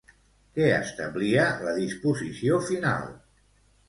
Què establia la disposició final?